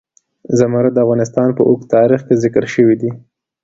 زمرد د افغانستان په اوږده تاریخ کې ذکر شوی دی.